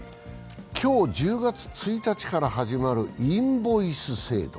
今日、１０月１日から始まるインボイス制度。